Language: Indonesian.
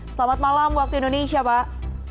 selamat malam waktu indonesia pak